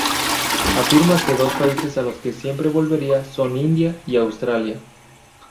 Afirma que dos países a los que siempre volvería son India y Australia.